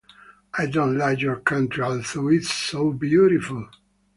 I don't like your country, although it is so beautiful.